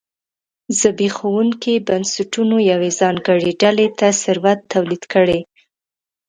زبېښونکي بنسټونه یوې ځانګړې ډلې ته ثروت تولید کړي.